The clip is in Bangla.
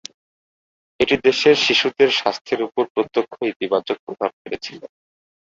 এটি দেশের শিশুদের স্বাস্থ্যের উপর প্রত্যক্ষ ইতিবাচক প্রভাব ফেলেছিল।